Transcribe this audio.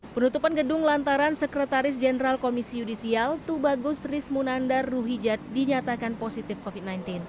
penutupan gedung lantaran sekretaris jenderal komisi yudisial tubagus rismunandar ruhijat dinyatakan positif covid sembilan belas